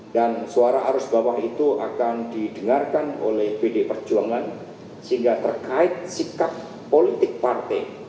dan suara arus bawah itu akan didengarkan oleh pd perjuangan sehingga terkait sikap politik partai